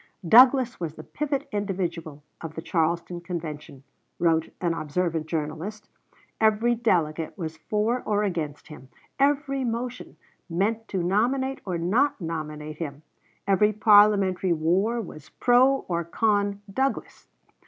"Douglas was the pivot individual of the Charleston Convention," wrote an observant journalist; "every delegate was for or against him; every motion meant to nominate or not nominate him; every parliamentary war was pro or con Douglas."